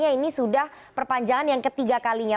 ini sudah perpanjangan yang ketiga kalinya